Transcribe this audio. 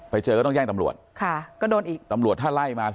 ไปเจอก็ต้องแจ้งตำรวจค่ะก็โดนอีกตำรวจถ้าไล่มา